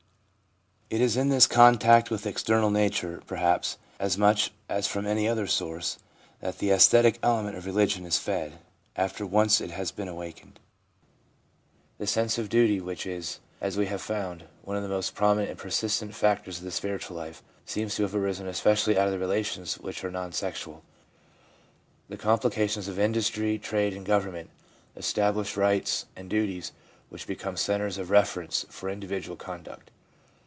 It is in this contact with external nature, perhaps, as much as from any other source, that the aesthetic element of religion is fed, after once it has been awakened. The sense of duty, which is, as we have found, one of the most prominent and persistent factors in the spiritual life, seems to have arisen especially out of relations which are non sexual. The complications of industry, trade and government establish rights and duties which become centres of reference for individual conduct.